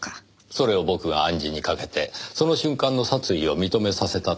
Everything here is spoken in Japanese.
それを僕が暗示にかけてその瞬間の殺意を認めさせたと？